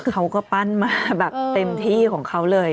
เขาก็ปั้นมาแบบเต็มที่ของเขาเลย